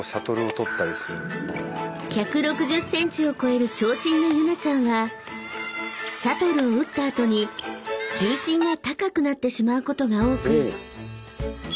［１６０ｃｍを超える長身のユナちゃんはシャトルを打った後に重心が高くなってしまうことが多く］